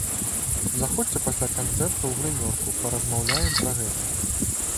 Заходзьце пасля канцэрта ў грымёрку, паразмаўляем пра гэта!